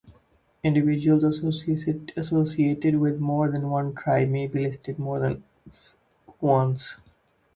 Individuals associated with more than one tribe may be listed more than once.